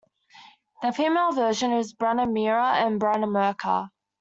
The female version is Branimira and Branimirka.